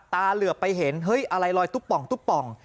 ตาเหลือไปเห็นเฮ้ยอะไรลอยตุ๊บป่อง